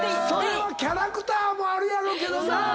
それはキャラクターもあるやろうけどな。